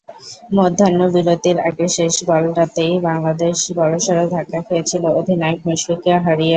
মধ্যাহ্নবিরতির আগে শেষ বলটাতেই বাংলাদেশ বড়সড় ধাক্কা খেয়েছিল অধিনায়ক মুশফিককে হারিয়ে।